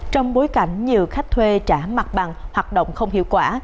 trong bối cảnh nhiều khách thuê trả mặt bằng hoạt động không hiệu quả